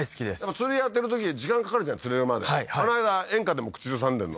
釣りやってるとき時間かかるじゃん釣れるまであの間演歌でも口ずさんでんの？